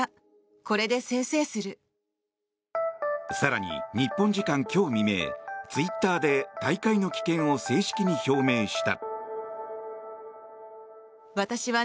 更に日本時間今日未明ツイッターで大会の棄権を正式に表明した。